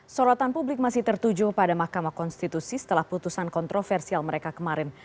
sorotan publik masih tertuju pada mahkamah konstitusi setelah putusan kontroversial mereka kemarin